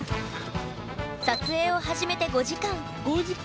撮影を始めて５時間。